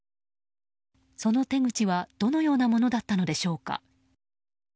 その手口はどのようなものだったのでしょうか。